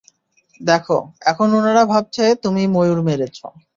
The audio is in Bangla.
দেখো, এখন উনারা ভাবছে তুমি ময়ূর মেরেছ।